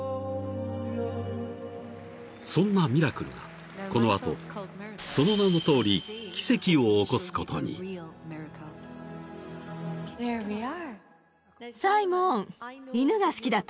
［そんなミラクルがこの後その名のとおり奇跡を起こすことに］ああ。